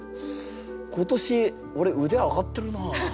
今年俺腕上がってるな。